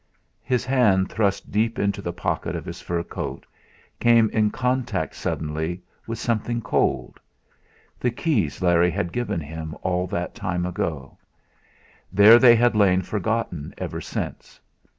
His hand, thrust deep into the pocket of his fur coat, came in contact suddenly with something cold. The keys Larry had given him all that time ago. There they had lain forgotten ever since.